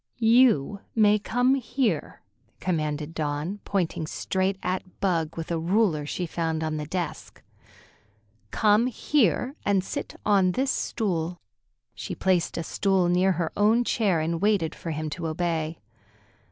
"You may come here," commanded Dawn, pointing straight at Bug with a ruler she found on the desk. "Come here and sit on this stool." She placed a stool near her own chair and waited for him to obey.